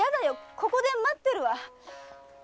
ここで待ってるわ。